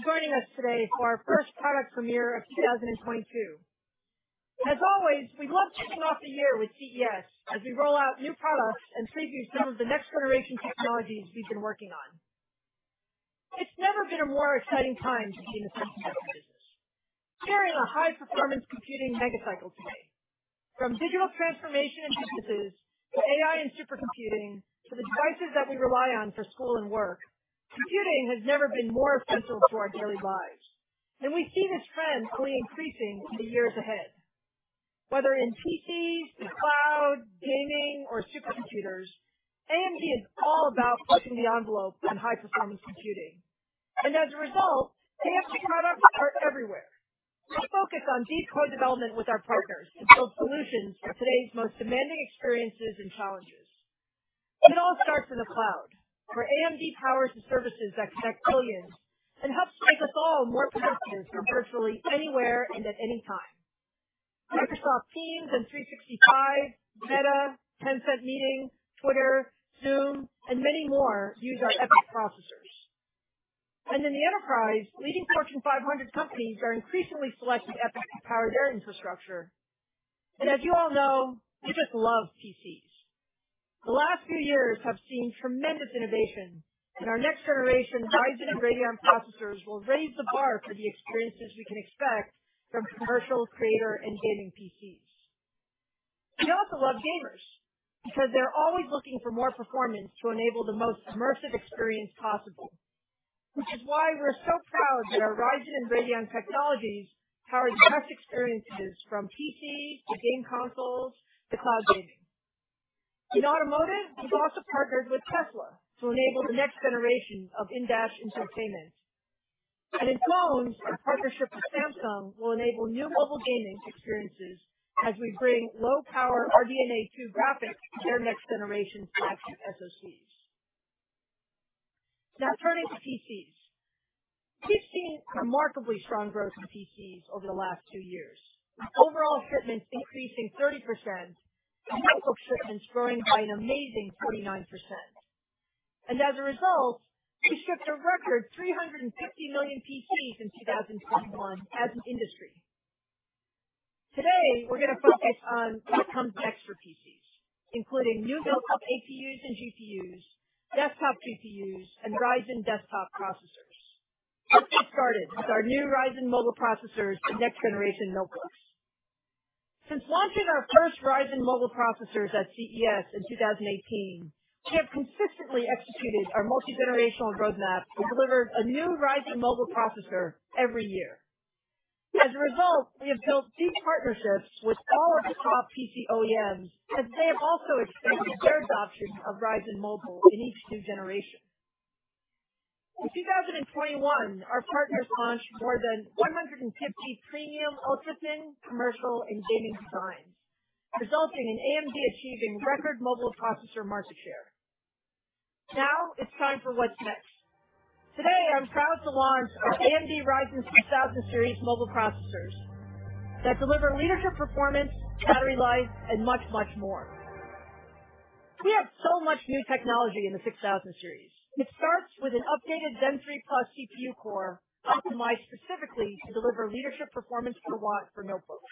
Hello, and thank you for joining us today for our first product premiere of 2022. As always, we love kicking off the year with CES as we roll out new products and preview some of the next generation technologies we've been working on. It's never been a more exciting time to be in the semiconductor business. We're carrying a high performance computing mega cycle today. From digital transformation initiatives to AI and supercomputing to the devices that we rely on for school and work, computing has never been more essential to our daily lives, and we see this trend only increasing in the years ahead. Whether in PCs, the cloud, gaming or supercomputers, AMD is all about pushing the envelope on high performance computing. As a result, AMD products are everywhere. We focus on deep co-development with our partners to build solutions for today's most demanding experiences and challenges. It all starts in the cloud, where AMD powers the services that connect billions and helps make us all more productive from virtually anywhere and at any time. Microsoft Teams and 365, Meta, Tencent Meeting, Twitter, Zoom and many more use our EPYC processors. In the enterprise, leading Fortune 500 companies are increasingly selecting EPYC to power their infrastructure. As you all know, we just love PCs. The last few years have seen tremendous innovation, and our next generation Ryzen and Radeon processors will raise the bar for the experiences we can expect from commercial creator and gaming PCs. We also love gamers because they're always looking for more performance to enable the most immersive experience possible. Which is why we're so proud that our Ryzen and Radeon technologies power the best experiences from PC to game consoles to cloud gaming. In automotive, we've also partnered with Tesla to enable the next generation of in-dash entertainment. In phones, our partnership with Samsung will enable new mobile gaming experiences as we bring low power RDNA 2 graphics to their next generation custom SOCs. Now turning to PCs. We've seen remarkably strong growth in PCs over the last two years, with overall shipments increasing 30% and notebook shipments growing by an amazing 49%. As a result, we shipped a record 350 million PCs in 2021 as an industry. Today, we're going to focus on what comes next for PCs, including new notebook APUs and GPUs, desktop GPUs and Ryzen desktop processors. Let's get started with our new Ryzen mobile processors for next generation notebooks. Since launching our first Ryzen mobile processors at CES in 2018, we have consistently executed our multi-generational roadmap and delivered a new Ryzen mobile processor every year. As a result, we have built deep partnerships with all of the top PC OEMs, and they have also expanded their adoption of Ryzen Mobile in each new generation. In 2021, our partners launched more than 150 premium ultra-thin commercial and gaming designs, resulting in AMD achieving record mobile processor market share. Now it's time for what's next. Today, I'm proud to launch our AMD Ryzen 6000 series mobile processors that deliver leadership, performance, battery life and much, much more. We have so much new technology in the 6000 series. It starts with an updated Zen 3+ CPU core, optimized specifically to deliver leadership performance per watt for notebooks.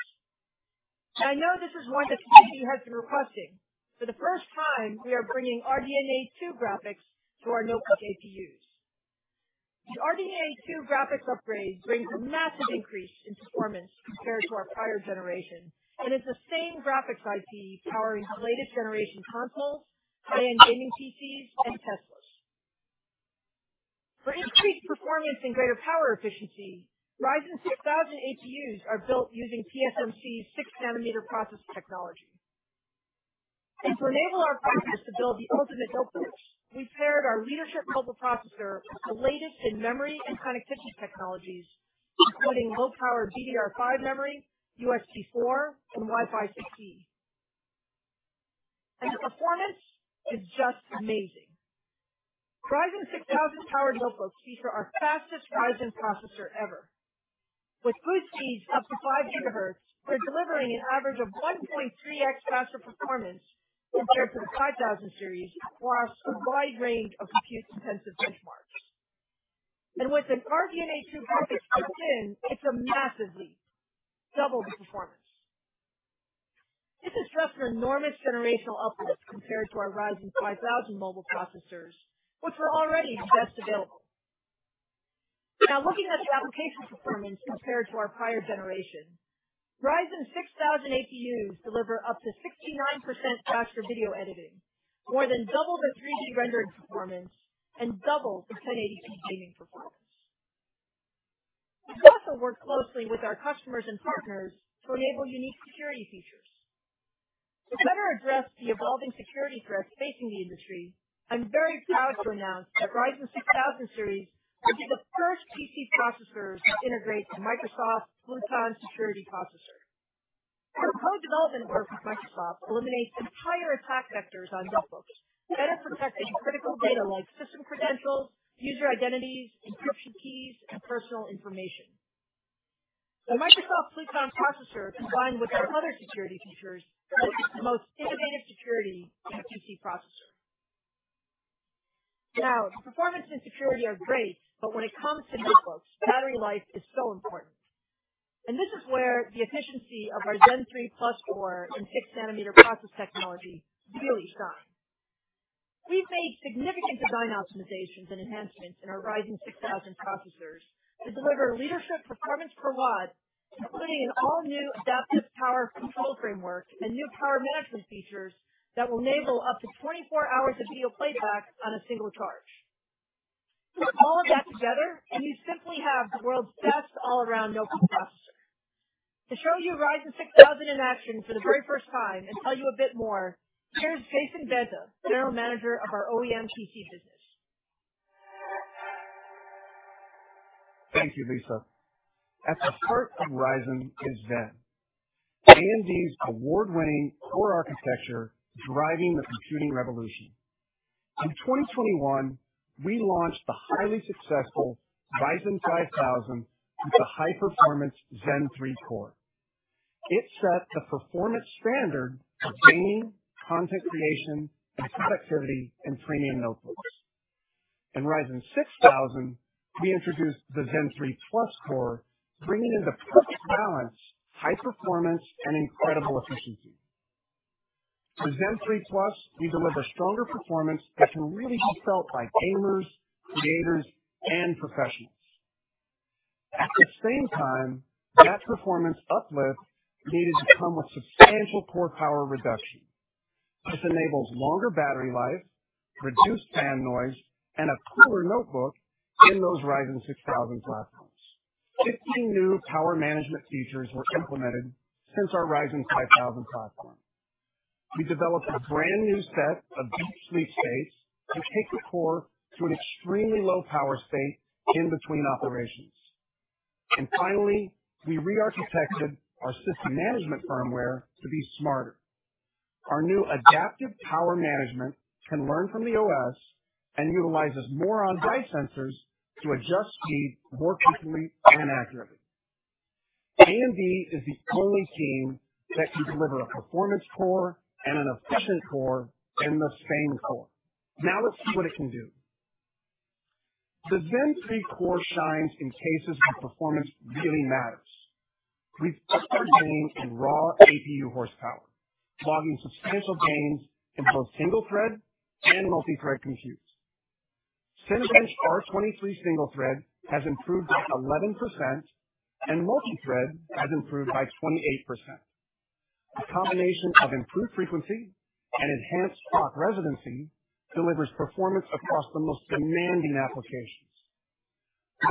I know this is one that many of you have been requesting. For the first time, we are bringing RDNA 2 graphics to our notebook APUs. The RDNA 2 graphics upgrade brings a massive increase in performance compared to our prior generation, and is the same graphics IP powering the latest generation consoles, high-end gaming PCs and Teslas. For increased performance and greater power efficiency, Ryzen 6000 APUs are built using TSMC's 6-nanometer process technology. To enable our partners to build the ultimate notebooks, we've paired our leadership mobile processor with the latest in-memory and connectivity technologies, including low power DDR5 memory, USB4 and Wi-Fi 6E. The performance is just amazing. Ryzen 6000 powered notebooks feature our fastest Ryzen processor ever. With boost speeds up to 5 GHz, we're delivering an average of 1.3x faster performance compared to the 5000 series across a wide range of compute-intensive benchmarks. With an RDNA 2 graphics built in, it's a massive leap. Double the performance. This is just an enormous generational uplift compared to our Ryzen 5000 mobile processors, which were already the best available. Now looking at the application performance compared to our prior generation, Ryzen 6000 APUs deliver up to 69% faster video editing, more than double the 3D rendering performance and double the 1080p gaming performance. We've also worked closely with our customers and partners to enable unique security features. To better address the evolving security threats facing the industry, I'm very proud to announce that Ryzen 6000 Series will be the first PC processors to integrate the Microsoft Pluton security processor. Our co-development work with Microsoft eliminates entire attack vectors on notebooks, better protecting critical data like system credentials, user identities, encryption keys, and personal information. The Microsoft Pluton processor, combined with our other security features, provides the most innovative security in a PC processor. Now, performance and security are great, but when it comes to notebooks, battery life is so important. This is where the efficiency of our Zen 3+ core and 6-nanometer process technology really shine. We've made significant design optimizations and enhancements in our Ryzen 6000 processors to deliver leadership performance per watt, including an all-new adaptive power control framework and new power management features that will enable up to 24 hours of video playback on a single charge. Put all of that together, and you simply have the world's best all-around notebook processor. To show you Ryzen 6000 in action for the very first time and tell you a bit more, here's Jason Banta, General Manager of our OEM PC business. Thank you, Lisa. At the heart of Ryzen is Zen, AMD's award-winning core architecture driving the computing revolution. In 2021, we launched the highly successful Ryzen 5000 with the high performance Zen 3 core. It set the performance standard for gaming, content creation, and productivity in premium notebooks. In Ryzen 6000, we introduced the Zen 3+ core, bringing the perfect balance, high performance, and incredible efficiency. With Zen 3+, we deliver stronger performance that can really be felt by gamers, creators, and professionals. At the same time, that performance uplift does not need to come with substantial core power reduction. This enables longer battery life, reduced fan noise, and a cooler notebook in those Ryzen 6000 platforms. 15 new power management features were implemented since our Ryzen 5000 platform. We developed a brand new set of deep sleep states to take the core to an extremely low power state in between operations. Finally, we re-architected our system management firmware to be smarter. Our new adaptive power management can learn from the OS and utilizes more on-die sensors to adjust speed more quickly and accurately. AMD is the only team that can deliver a performance core and an efficient core in the same core. Now let's see what it can do. The Zen 3 core shines in cases where performance really matters. We've gained in raw APU horsepower, logging substantial gains in both single-thread and multi-thread computes. Cinebench R23 single thread has improved by 11%, and multi-thread has improved by 28%. A combination of improved frequency and enhanced clock residency delivers performance across the most demanding applications.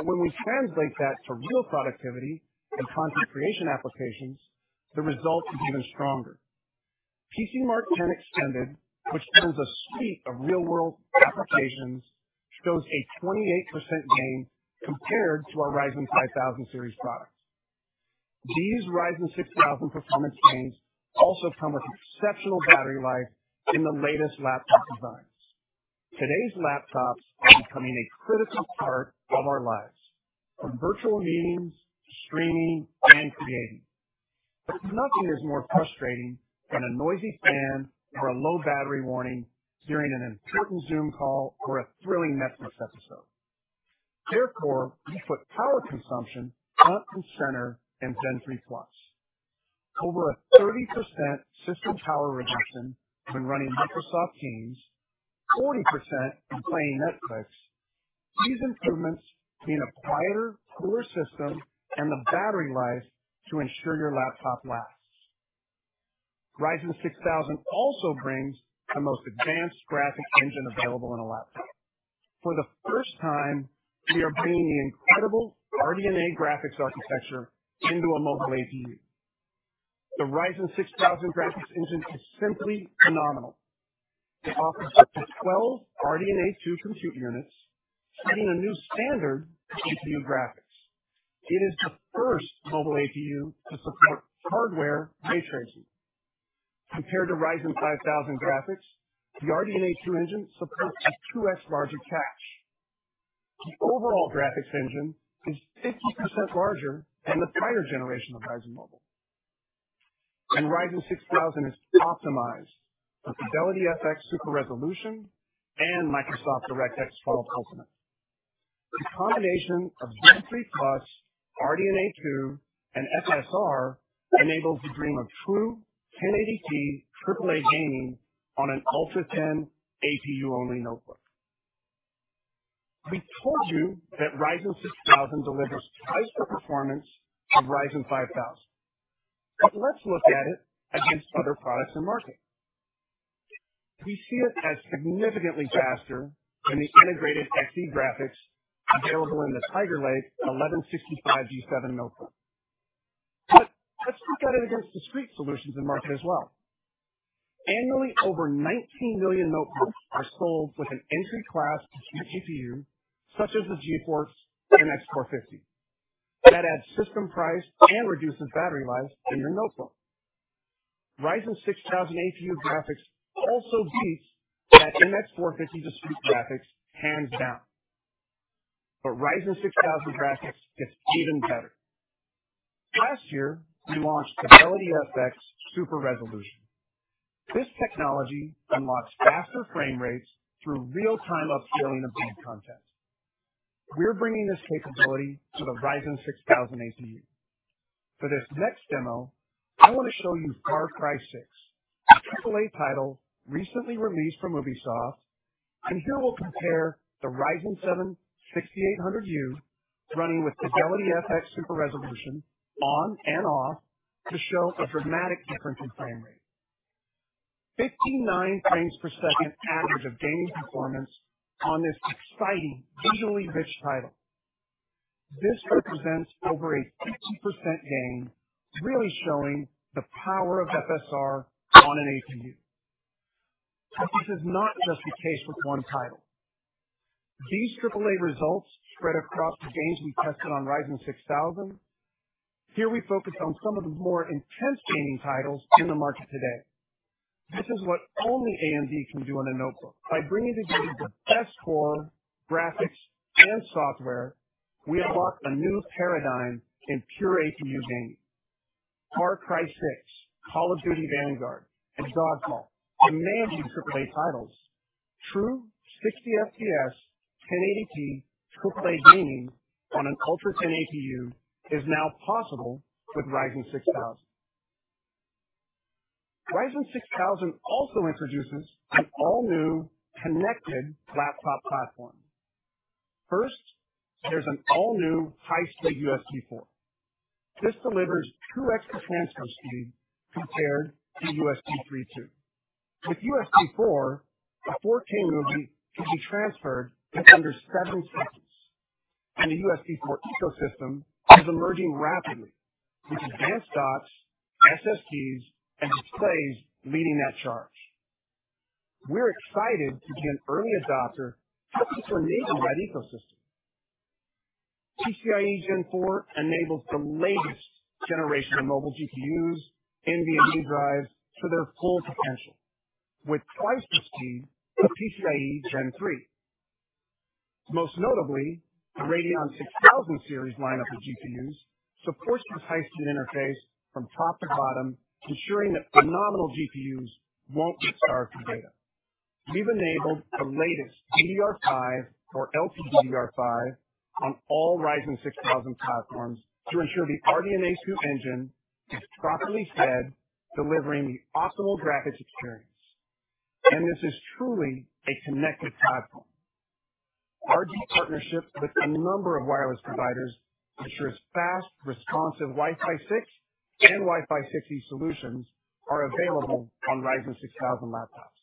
When we translate that to real productivity and content creation applications, the result is even stronger. PCMark 10 Extended, which runs a suite of real-world applications, shows a 28% gain compared to our Ryzen 5000 series products. These Ryzen 6000 performance gains also come with exceptional battery life in the latest laptop designs. Today's laptops are becoming a critical part of our lives, from virtual meetings to streaming and creating. Nothing is more frustrating than a noisy fan or a low battery warning during an important Zoom call or a thrilling Netflix episode. Therefore, we put power consumption front and center in Zen 3+. Over a 30% system power reduction when running Microsoft Teams, 40% when playing Netflix. These improvements mean a quieter, cooler system and the battery life to ensure your laptop lasts. Ryzen 6000 also brings the most advanced graphics engine available in a laptop. For the first time, we are bringing the incredible RDNA graphics architecture into a mobile APU. The Ryzen 6000 graphics engine is simply phenomenal. It offers up to 12 RDNA 2 compute units, setting a new standard for APU graphics. It is the first mobile APU to support hardware ray tracing. Compared to Ryzen 5000 graphics, the RDNA 2 engine supports a 2x larger cache. The overall graphics engine is 50% larger than the prior generation of Ryzen Mobile. Ryzen 6000 is optimized for FidelityFX Super Resolution and Microsoft DirectX 12 Ultimate. The combination of Zen 3+, RDNA 2, and FSR enables the dream of true 10W TDP AAA gaming on an ultra-thin APU-only notebook. We told you that Ryzen 6000 delivers twice the performance of Ryzen 5000. Let's look at it against other products in market. We see it as significantly faster than the integrated Xe graphics available in the Intel Tiger Lake 1165G7 notebook. Let's look at it against discrete solutions in market as well. Annually, over 19 million notebooks are sold with an entry class GPU, such as the GeForce MX450. That adds system price and reduces battery life in your notebook. Ryzen 6000 APU graphics also beats that MX450 discrete graphics hands down. Ryzen 6000 graphics gets even better. Last year, we launched FidelityFX Super Resolution. This technology unlocks faster frame rates through real-time upscaling of game content. We're bringing this capability to the Ryzen 6000 APU. For this next demo, I want to show you Far Cry 6, AAA title recently released from Ubisoft. Here we'll compare the Ryzen 7 6800U running with FidelityFX Super Resolution on and off to show a dramatic difference in frame rate. 59 frames per second average of gaming performance on this exciting, visually rich title. This represents over a 50% gain, really showing the power of FSR on an APU. This is not just the case with one title. These AAA results spread across the games we tested on Ryzen 6000. Here we focus on some of the more intense gaming titles in the market today. This is what only AMD can do on a notebook. By bringing together the best core graphics and software, we unlock a new paradigm in pure APU gaming. Far Cry 6, Call of Duty: Vanguard, and Godfall are amazing AAA titles. True 60 FPS 1080p AAA gaming on an ultrathin APU is now possible with Ryzen 6000. Ryzen 6000 also introduces an all-new connected laptop platform. First, there's an all-new high-speed USB4. This delivers 2x performance over speed compared to USB 3.2. With USB4, a 4K movie can be transferred in under seven seconds, and the USB4 ecosystem is emerging rapidly, with advanced docks, SSDs, and displays leading that charge. We're excited to be an early adopter for this amazing vibrant ecosystem. PCIe Gen 4 enables the latest generation of mobile GPUs, NVMe drives to their full potential with twice the speed of PCIe Gen 3. Most notably, the Radeon 6000 series lineup of GPUs supports this high-speed interface from top to bottom, ensuring that phenomenal GPUs won't get starved for data. We've enabled the latest DDR5 or LPDDR5 on all Ryzen 6000 platforms to ensure the RDNA 2 engine is properly fed, delivering the optimal graphics experience. This is truly a connected platform. Our deep partnership with a number of wireless providers ensures fast, responsive Wi-Fi 6 and Wi-Fi 6E solutions are available on Ryzen 6000 laptops.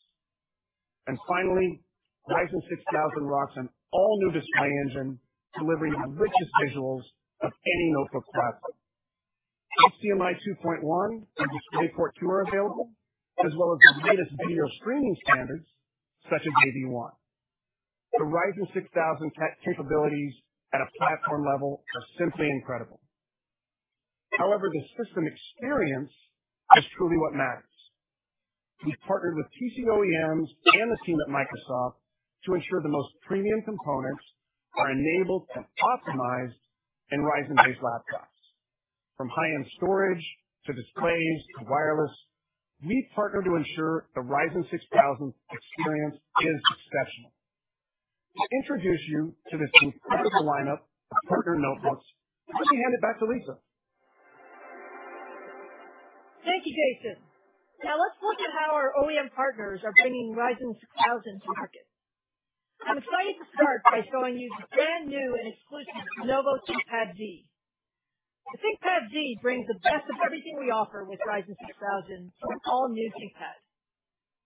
Finally, Ryzen 6000 rocks an all-new display engine delivering the richest visuals of any notebook platform. HDMI 2.1 and DisplayPort 2 are available, as well as the latest video streaming standards such as AV1. The Ryzen 6000 tech capabilities at a platform level are simply incredible. However, the system experience is truly what matters. We've partnered with PC OEMs and the team at Microsoft to ensure the most premium components are enabled and optimized in Ryzen-based laptops. From high-end storage to displays to wireless, we've partnered to ensure the Ryzen 6000 experience is exceptional. To introduce you to this incredible lineup of partner notebooks, let me hand it back to Lisa. Thank you, Jason. Now let's look at how our OEM partners are bringing Ryzen 6000 to market. I'm excited to start by showing you the brand new and exclusive Lenovo ThinkPad Z. The ThinkPad Z brings the best of everything we offer with Ryzen 6000 to an all-new ThinkPad.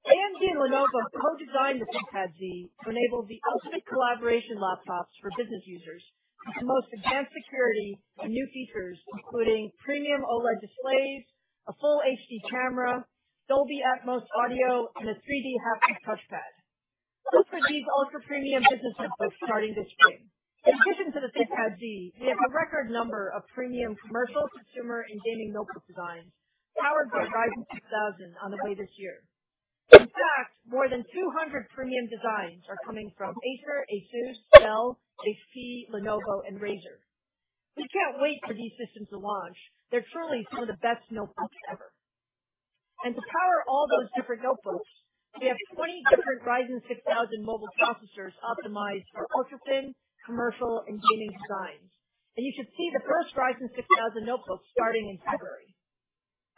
AMD and Lenovo co-designed the ThinkPad Z to enable the ultimate collaboration laptops for business users with the most advanced security and new features, including premium OLED displays, a full HD camera, Dolby Atmos audio, and a 3D haptic touchpad. Look for these ultra premium business notebooks starting this spring. In addition to the ThinkPad Z, we have a record number of premium commercial, consumer, and gaming notebook designs powered by Ryzen 6000 on the way this year. In fact, more than 200 premium designs are coming from Acer, ASUS, Dell, HP, Lenovo, and Razer. We can't wait for these systems to launch. They're truly some of the best notebooks ever. To power all those different notebooks, we have 20 different Ryzen 6000 mobile processors optimized for ultra thin, commercial, and gaming designs. You should see the first Ryzen 6000 notebooks starting in February.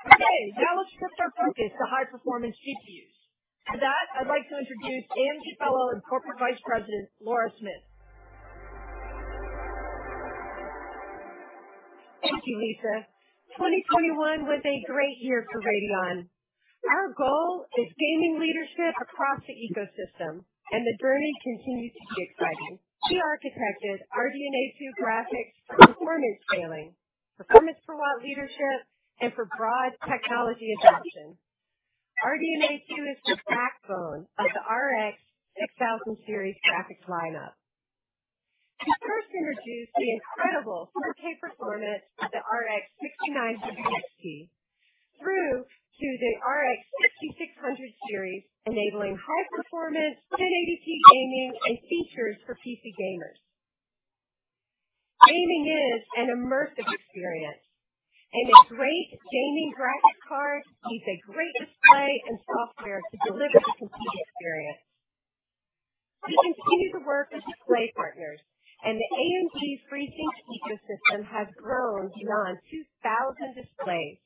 Okay, now let's shift our focus to high-performance GPUs. For that, I'd like to introduce AMD Fellow and Corporate Vice President, Laura Smith. Thank you, Lisa. 2021 was a great year for Radeon. Our goal is gaming leadership across the ecosystem, and the journey continues to be exciting. We architected RDNA 2 graphics for performance scaling, performance per watt leadership, and for broad technology adoption. RDNA 2 is the backbone of the RX 6000 series graphics lineup. We first introduced the incredible 4K performance of the RX 6950 XT through to the RX 6600 series, enabling high performance, 1080p gaming and features for PC gamers. Gaming is an immersive experience, and a great gaming graphics card needs a great display and software to deliver the complete experience. We continue to work with display partners, and the AMD FreeSync ecosystem has grown to now 2,000 displays.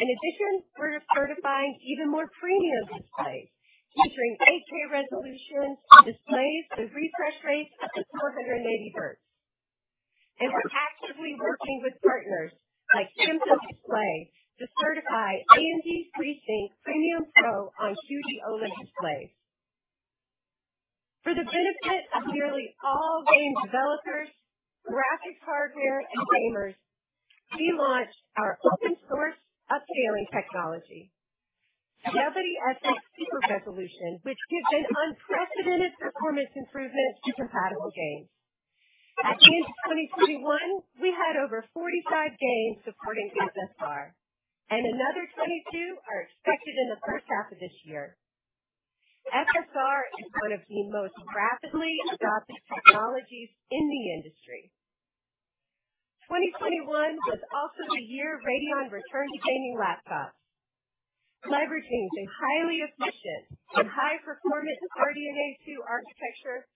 In addition, we're certifying even more premium displays featuring 8K resolution displays with refresh rates up to 480 Hz. We're actively working with partners like Samsung Display to certify AMD FreeSync Premium Pro on QD-OLED displays. For the benefit of nearly all game developers, graphics, hardware, and gamers, we launched our open source upscaling technology, FidelityFX Super Resolution, which gives an unprecedented performance improvement to compatible games. At the end of 2021, we had over 45 games supporting FSR, and another 22 are expected in the first half of this year. FSR is one of the most rapidly adopted technologies in the industry. 2021 was also the year Radeon returned to gaming laptops. Leveraging the highly efficient and high-performance RDNA 2 architecture,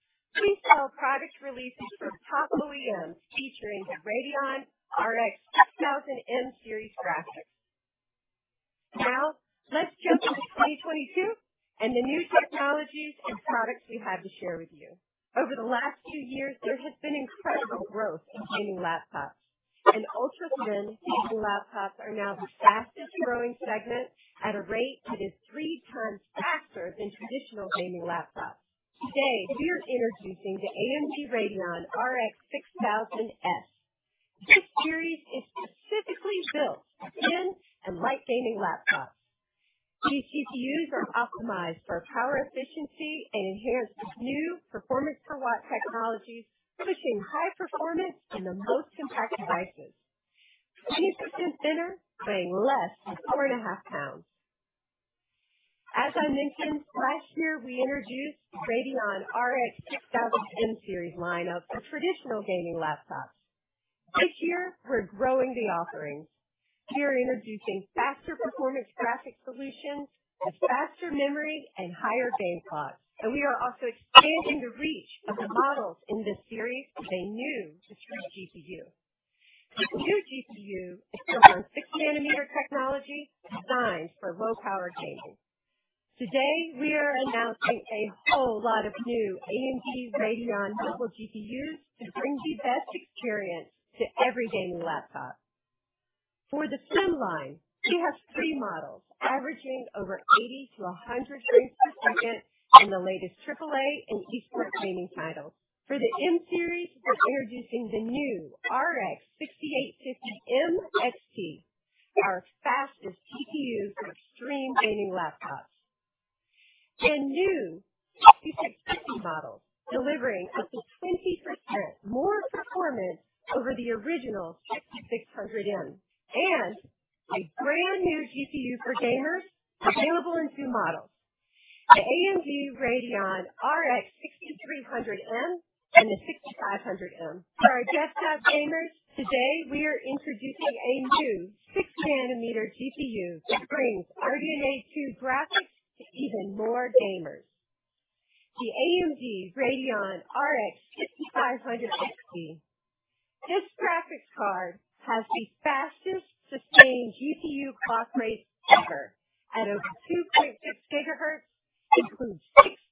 we saw product releases from top OEMs featuring the Radeon RX 6000M series graphics. Now let's jump into 2022 and the new technologies and products we have to share with you. Over the last two years, there has been incredible growth in gaming laptops, and ultra-thin gaming laptops are now the fastest growing segment at a rate that is three times faster than traditional gaming laptops. Today we are introducing the AMD Radeon RX 6000S. This series is specifically built for thin and light gaming laptops. These GPUs are optimized for power efficiency and enhanced with new performance per watt technologies, pushing high performance in the most compact devices. 20% thinner, weighing less than 4.5 lbs. As I mentioned, last year we introduced the Radeon RX 6000M series lineup for traditional gaming laptops. This year we're growing the offerings. We are introducing faster performance graphics solutions with faster memory and higher bandwidth. We are also expanding the reach of the models in this series with a new discrete GPU. This new GPU is built on 6-nanometer technology designed for low-power gaming. Today we are announcing a whole lot of new AMD Radeon mobile GPUs to bring the best experience to every gaming laptop. For the thin line, we have three models averaging over 80-100 frames per second in the latest AAA and eSport gaming titles. For the M series, we're introducing the new RX 6850M XT, our fastest GPU for extreme gaming laptops. New 6650M models delivering up to 20% more performance over the original 6600M. A brand new GPU for gamers available in two models, the AMD Radeon RX 6300M and the 6500M. For our desktop gamers, today we are introducing a new 6-nanometer GPU that brings RDNA 2 graphics to even more gamers. The AMD Radeon RX 6500 XT. This graphics card has the fastest sustained GPU clock rate ever at over 2.6 GHz, includes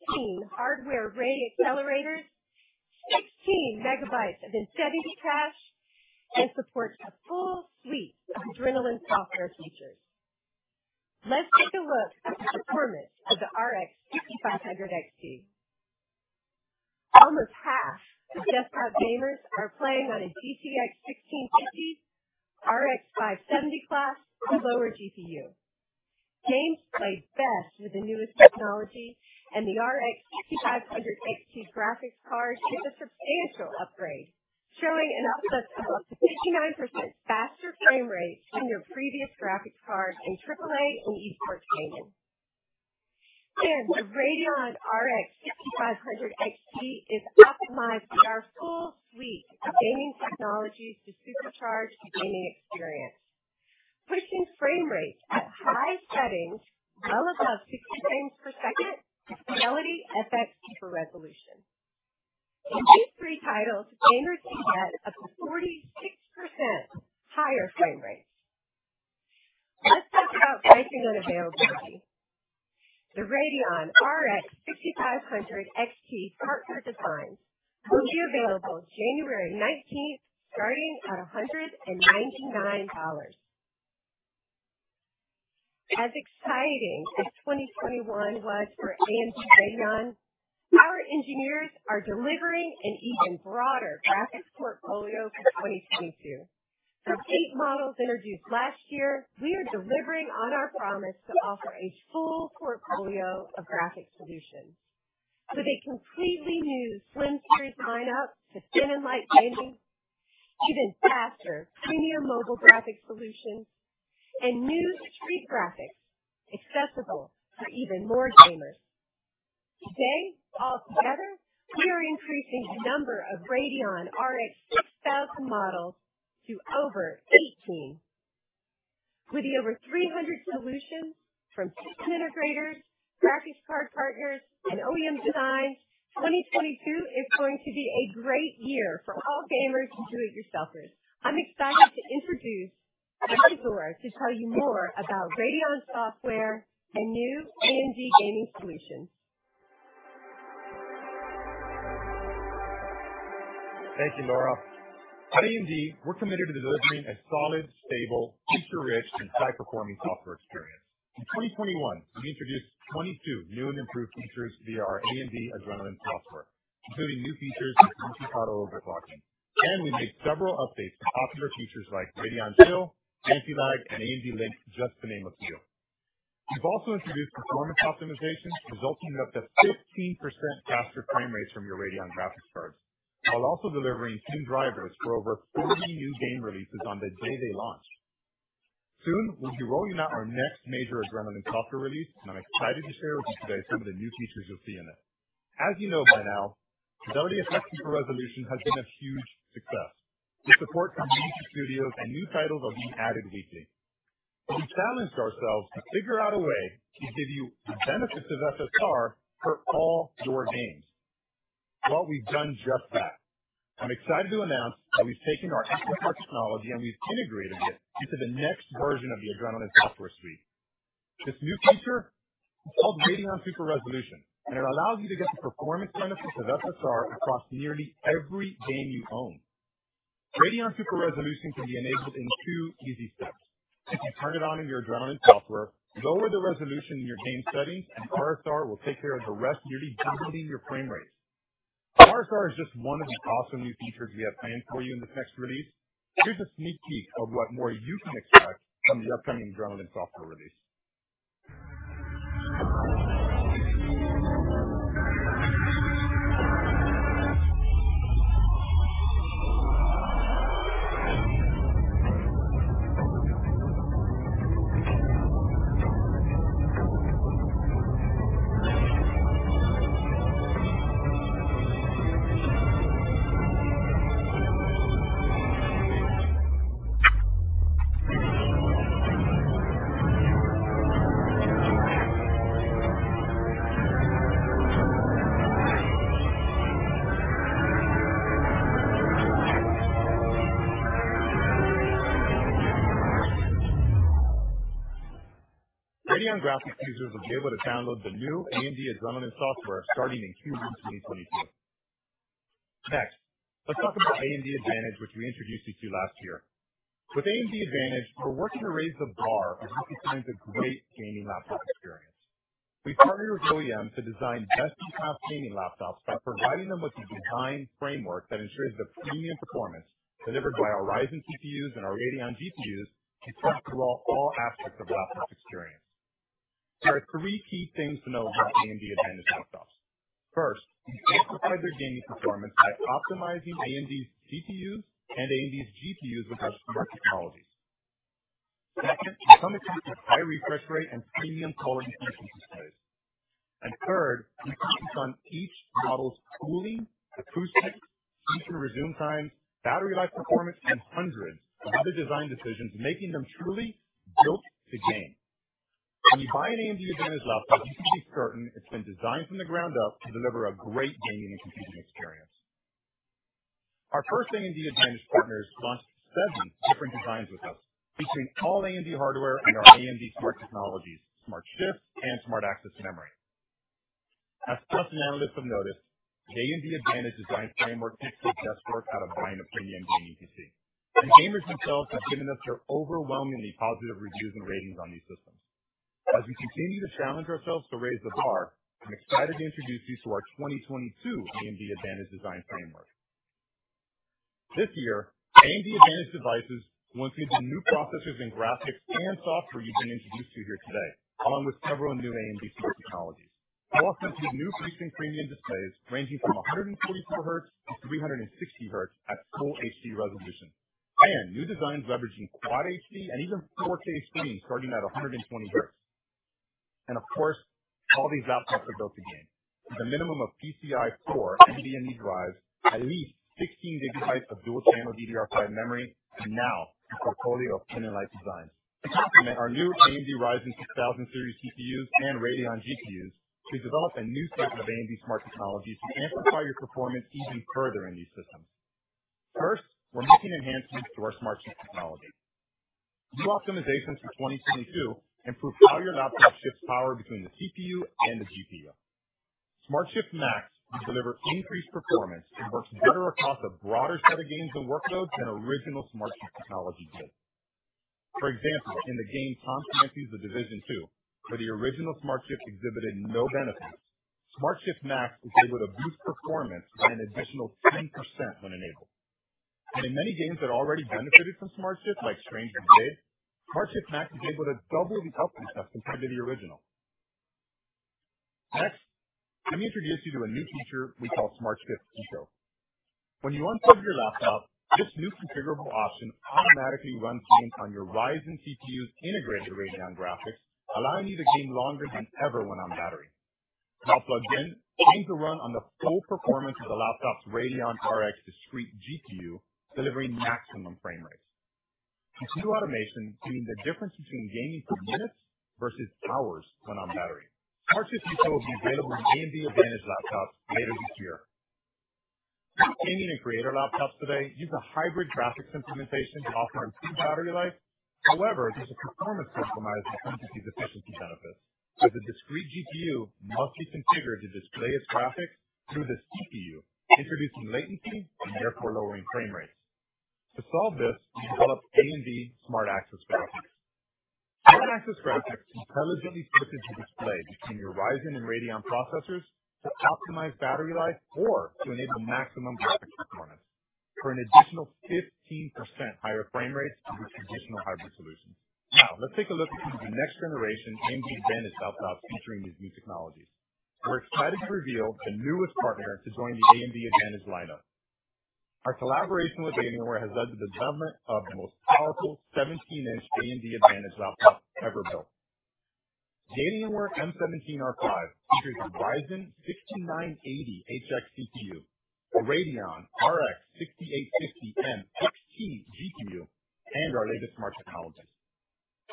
16 hardware ray accelerators, 16 MB of Infinity Cache, and supports a full suite of Adrenalin software features. Let's take a look at the performance of the RX 6500 XT. Almost half of desktop gamers are playing on a GTX 1650, RX 570 class, or lower GPU. Games play best with the newest technology and the RX 6500 XT graphics card is a substantial upgrade, showing an uplift of up to 59% faster frame rates than your previous graphics card in AAA and eSport gaming. The Radeon RX 6500 XT is optimized with our full suite of gaming technologies to supercharge the gaming experience. Pushing frame rates at high settings well above 60 frames per second with FidelityFX Super Resolution. In these three titles, gamers can get up to 46% higher frame rates. Let's talk about pricing and availability. The Radeon RX 6500 XT partner designs will be available January 19th, starting at $199. As exciting as 2021 was for AMD Radeon, our engineers are delivering an even broader graphics portfolio for 2022. From eight models introduced last year, we are delivering on our promise to offer a full portfolio of graphics solutions. With a completely new slim series lineup to thin and light gaming, even faster premier mobile graphics solutions and new discrete graphics accessible for even more gamers. Today, all together, we are increasing the number of Radeon RX 6000 models to over 18. With the over 300 solutions from system integrators, graphics card partners and OEM designs, 2022 is going to be a great year for all gamers and do-it-yourselfers. I'm excited to introduce Frank Azor to tell you more about Radeon software and new AMD gaming solutions. Thank you, Laura. At AMD, we're committed to delivering a solid, stable, feature-rich and high-performing software experience. In 2021, we introduced 22 new and improved features via our AMD Adrenalin software, including new features like CPU Auto Overclocking. We made several updates to popular features like Radeon Chill, Anti-Lag, and AMD Link, just to name a few. We've also introduced performance optimizations resulting in up to 15% faster frame rates from your Radeon Graphics cards, while also delivering tuned drivers for over 40 new game releases on the day they launch. Soon we'll be rolling out our next major Adrenalin software release, and I'm excited to share with you today some of the new features you'll see in it. As you know by now, FidelityFX Super Resolution has been a huge success. With support from major studios, and new titles are being added weekly. We challenged ourselves to figure out a way to give you the benefits of FSR for all your games. Well, we've done just that. I'm excited to announce that we've taken our FSR technology and we've integrated it into the next version of the Adrenalin software suite. This new feature is called Radeon Super Resolution, and it allows you to get the performance benefits of FSR across nearly every game you own. Radeon Super Resolution can be enabled in two easy steps. If you turn it on in your Adrenalin software, lower the resolution in your game settings and RSR will take care of the rest, nearly doubling your frame rates. RSR is just one of the awesome new features we have planned for you in this next release. Here's a sneak peek of what more you can expect from the upcoming Adrenalin software release. Radeon graphics users will be able to download the new AMD Adrenalin software starting in Q1 2022. Next, let's talk about AMD Advantage, which we introduced you to last year. With AMD Advantage, we're working to raise the bar for what defines a great gaming laptop experience. We've partnered with OEMs to design best-in-class gaming laptops by providing them with the design framework that ensures the premium performance delivered by our Ryzen CPUs and our Radeon GPUs is felt through all aspects of the laptop's experience. There are three key things to know about AMD Advantage laptops. First, we amplify their gaming performance by optimizing AMD's CPUs and AMD's GPUs with our smart technologies. Second, we come equipped with high refresh rate and premium quality features displays. Third, we focus on each model's cooling, acoustics, feature resume times, battery life performance, and hundreds of other design decisions, making them truly built to game. When you buy an AMD Advantage laptop, you can be certain it's been designed from the ground up to deliver a great gaming and computing experience. Our first AMD Advantage partners launched seven different designs with us featuring all AMD hardware and our AMD smart technologies, SmartShift and Smart Access Memory. As press and analysts have noticed, the AMD Advantage design framework takes the guesswork out of buying a premium gaming PC, and gamers themselves have given us their overwhelmingly positive reviews and ratings on these systems. As we continue to challenge ourselves to raise the bar, I'm excited to introduce you to our 2022 AMD Advantage design framework. This year, AMD Advantage devices will include the new processors and graphics and software you've been introduced to here today, along with several new AMD smart technologies. They'll also include new, featuring premium displays ranging from 144 Hz-360 Hz at full HD resolution. New designs leveraging Quad HD and even 4K screens starting at 120 Hz. Of course, all these laptops are built to game with a minimum of PCIe 4 NVMe drives, at least 16 GB of dual channel DDR5 memory, and now a portfolio of thin and light designs. To complement our new AMD Ryzen 6000 Series CPUs and Radeon GPUs, we developed a new set of AMD smart technologies to amplify your performance even further in these systems. First, we're making enhancements to our SmartShift technology. New optimizations for 2022 improve how your laptop shifts power between the CPU and the GPU. SmartShift Max will deliver increased performance and works better across a broader set of games and workloads than original SmartShift technology did. For example, in the game Tom Clancy's The Division 2, where the original SmartShift exhibited no benefits, SmartShift Max is able to boost performance by an additional 10% when enabled. In many games that already benefited from SmartShift, like Strange Brigade, SmartShift Max is able to double the performance compared to the original. Next, let me introduce you to a new feature we call SmartShift Eco. When you unplug your laptop, this new configurable option automatically runs games on your Ryzen CPU's integrated Radeon graphics, allowing you to game longer than ever when on battery. While plugged in, games will run on the full performance of the laptop's Radeon RX discrete GPU, delivering maximum frame rates. This new automation can mean the difference between gaming for minutes versus hours when on battery. SmartShift Eco will be available on AMD Advantage laptops later this year. Gaming and creator laptops today use a hybrid graphics implementation to offer improved battery life. However, there's a performance compromise when it comes to these efficiency benefits, as the discrete GPU must be configured to display its graphics through the CPU, introducing latency and therefore lowering frame rates. To solve this, we developed AMD SmartAccess Graphics. SmartAccess Graphics intelligently switches your display between your Ryzen and Radeon processors to optimize battery life or to enable maximum graphics performance for an additional 15% higher frame rates over traditional hybrid solutions. Now, let's take a look at the next generation AMD Advantage laptops featuring these new technologies. We're excited to reveal the newest partner to join the AMD Advantage lineup. Our collaboration with Alienware has led to the development of the most powerful 17-inch AMD Advantage laptop ever built. The Alienware m17 R5 features a Ryzen 9 6900HX CPU, a Radeon RX 6850M XT GPU, and our latest smart technologies.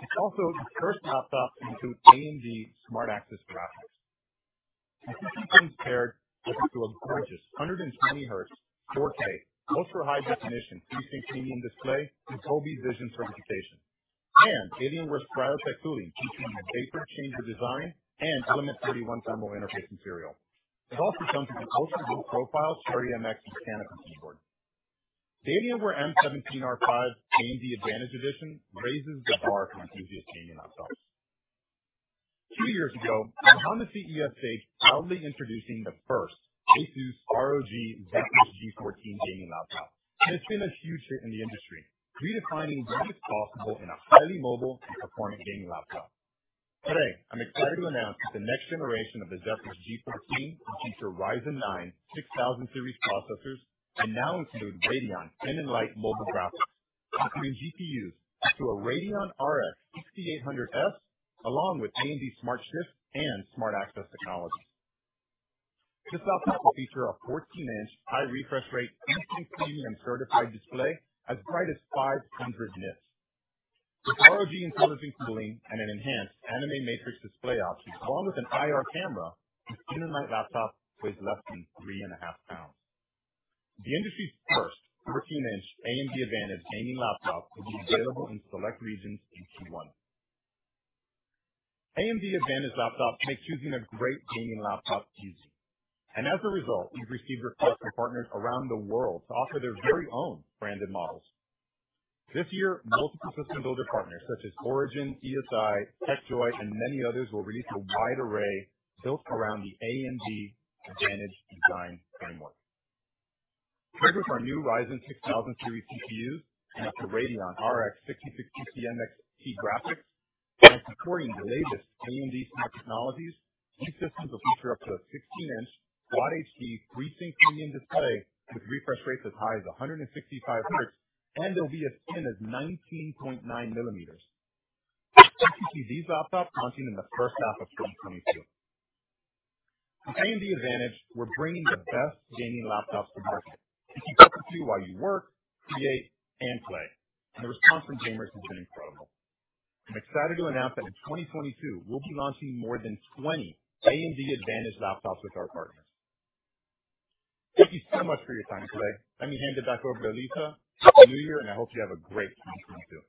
It's also the first laptop to include AMD SmartAccess Graphics. The CPU comes paired with a gorgeous 120 Hz, 4K ultra-high definition UHD premium display with Tobii Vision certification and Alienware's Cryo-tech cooling featuring a vapor chamber design and Element 31 thermal interface material. It also comes with an ultra-low profile Cherry MX mechanical keyboard. The Alienware m17 R5 AMD Advantage edition raises the bar for enthusiast gaming laptops. Two years ago, I'm honored to be at stage proudly introducing the first ASUS ROG Zephyrus G14 gaming laptop, and it's been a huge hit in the industry, redefining what is possible in a highly mobile and performant gaming laptop. Today, I'm excited to announce that the next generation of the Zephyrus G14 will feature Ryzen 9 6000 Series processors and now include Radeon RX 6000S mobile graphics, including GPUs up to a Radeon RX 6800S, along with AMD SmartShift and Smart Access Memory technology. This laptop will feature a 14-inch high refresh rate PC Premium Certified display as bright as 500 nits. With ROG intelligent cooling and an enhanced AniMe Matrix display option, along with an IR camera, this thin-and-light laptop weighs less than 3.5 lbs. The industry's first 14-inch AMD Advantage gaming laptop will be available in select regions in Q1. AMD Advantage laptops make choosing a great gaming laptop easy, and as a result, we've received requests from partners around the world to offer their very own branded models. This year, multiple system builder partners such as ORIGIN, ESI, Tech Joy, and many others will release a wide array built around the AMD Advantage design framework. Equipped with our new Ryzen 6000 Series CPUs and up to Radeon RX 6600M XT graphics and supporting the latest AMD smart technologies, these systems will feature up to a 16-inch Quad HD FreeSync Premium display with refresh rates as high as 165 Hz, and they'll be as thin as 19.9 mm. You should see these laptops launching in the first half of 2022. With AMD Advantage, we're bringing the best gaming laptops to market to keep up with you while you work, create, and play. The response from gamers has been incredible. I'm excited to announce that in 2022 we'll be launching more than 20 AMD Advantage laptops with our partners. Thank you so much for your time today. Let me hand it back over to Lisa. Happy New Year, and I hope you have a great 2022.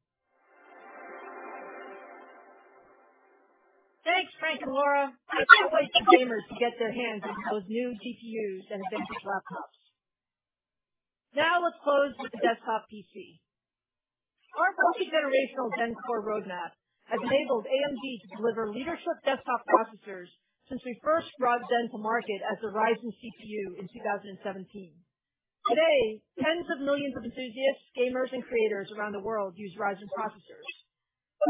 Thanks, Frank and Laura. I can't wait for gamers to get their hands on those new GPUs and Advantage laptops. Now let's close with the desktop PC. Our multi-generational Zen core roadmap has enabled AMD to deliver leadership desktop processors since we first brought Zen to market as a Ryzen CPU in 2017. Today, tens of millions of enthusiasts, gamers, and creators around the world use Ryzen processors.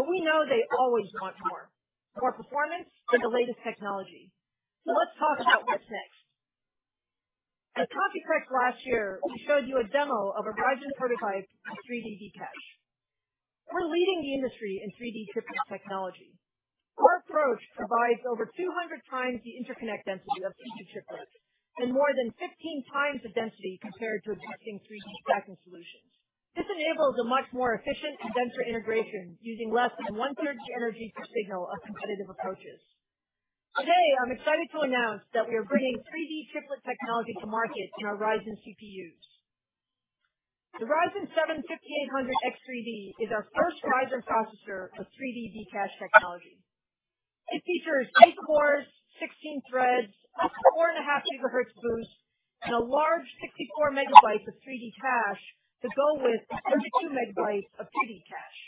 We know they always want more, more performance and the latest technology. Let's talk about what's next. At Computex last year, we showed you a demo of a Ryzen 3D V-Cache. We're leading the industry in 3D chiplet technology. Our approach provides over 200 times the interconnect density of CPU chiplets and more than 15 times the density compared to existing 3D stacking solutions. This enables a much more efficient chiplet integration, using less than one-third the energy per signal of competitive approaches. Today, I'm excited to announce that we are bringing 3D chiplet technology to market in our Ryzen CPUs. The Ryzen 7 5800X3D is our first Ryzen processor with 3D V-Cache technology. It features eight cores, 16 threads, up to 4.5 GHz boost, and a large 64 MB of 3D cache to go with 32 MB of 2D cache.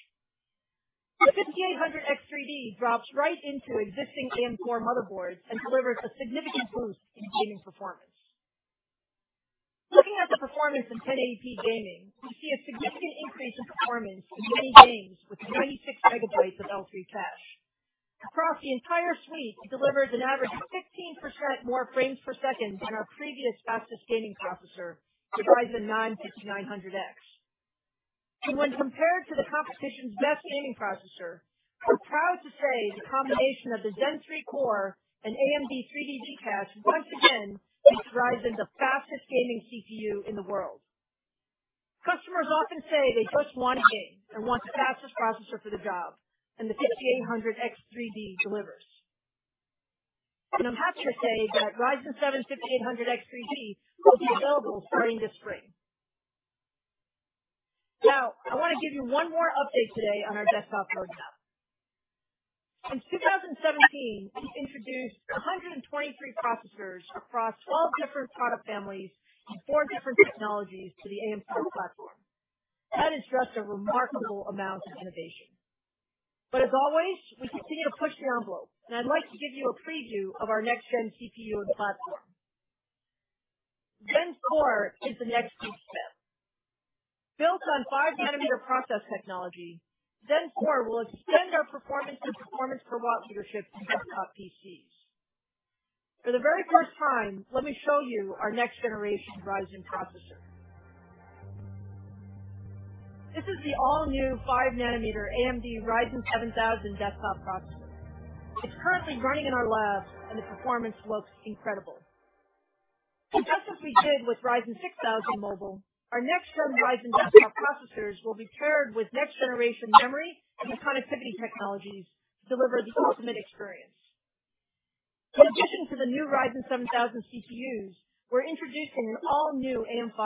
The 5800X3D drops right into existing AM4 motherboards and delivers a significant boost in gaming performance. Looking at the performance in 1080p gaming, we see a significant increase in performance in many games with 96 MB of L3 cache. Across the entire suite, it delivers an average of 15% more frames per second than our previous fastest gaming processor, the Ryzen 9 5900X. When compared to the competition's best gaming processor, we're proud to say the combination of the Zen 3 core and AMD 3D cache once again makes Ryzen the fastest gaming CPU in the world. Customers often say they just want to game and want the fastest processor for the job, and the 5800X 3D delivers. I'm happy to say that Ryzen 7 5800X 3D will be available starting this spring. Now, I want to give you one more update today on our desktop roadmap. Since 2017, we've introduced 123 processors across 12 different product families and 4 different technologies to the AM4 platform. That is just a remarkable amount of innovation. As always, we continue to push the envelope, and I'd like to give you a preview of our next-gen CPU and platform. Zen 4 is the next huge step. Built on 5-nanometer process technology, Zen 4 will extend our performance and performance per watt leadership to desktop PCs. For the very first time, let me show you our next-generation Ryzen processor. This is the all-new 5-nanometer AMD Ryzen 7000 desktop processor. It's currently running in our labs, and the performance looks incredible. Just as we did with Ryzen 6000 mobile, our next-gen Ryzen desktop processors will be paired with next-generation memory and connectivity technologies to deliver the ultimate experience. In addition to the new Ryzen 7000 CPUs, we're introducing an all-new AM5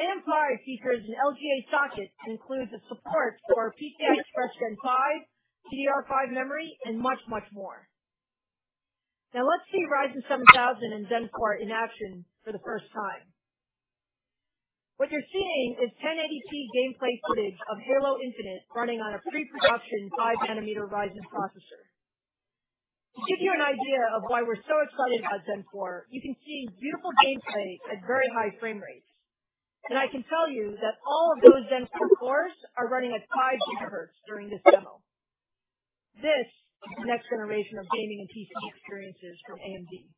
platform. AM5 features an LGA socket and includes the support for PCIe Gen 5, DDR5 memory and much, much more. Now let's see Ryzen 7000 and Zen 4 in action for the first time. What you're seeing is 1080p gameplay footage of Halo Infinite running on a pre-production 5-nanometer Ryzen processor. To give you an idea of why we're so excited about Zen 4, you can see beautiful gameplay at very high frame rates. I can tell you that all of those Zen 4 cores are running at 5 GHz during this demo. This is the next generation of gaming and PC experiences from AMD.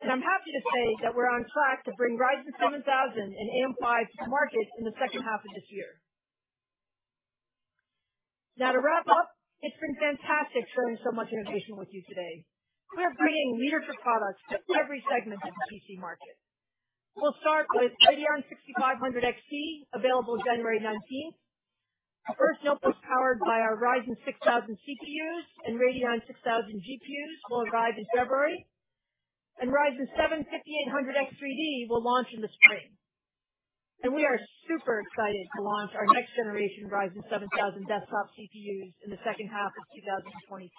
I'm happy to say that we're on track to bring Ryzen 7000 and AM5 to market in the second half of this year. Now to wrap up, it's been fantastic sharing so much innovation with you today. We are bringing leadership products to every segment of the PC market. We'll start with Radeon RX 6500 XT, available January 19th. Our first notebooks powered by our Ryzen 6000 CPUs and Radeon 6000 GPUs will arrive in February. Ryzen 7 5800X3D will launch in the spring. We are super excited to launch our next generation Ryzen 7000 desktop CPUs in the second half of 2022.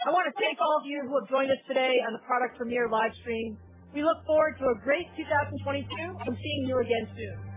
I want to thank all of you who have joined us today on the product premiere live stream. We look forward to a great 2022 and seeing you again soon.